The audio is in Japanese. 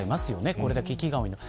これだけ木が多いと。